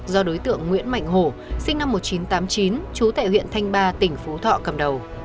do đối tượng nguyễn mạnh hổ sinh năm một nghìn chín trăm tám mươi chín trú tại huyện thanh ba tỉnh phú thọ cầm đầu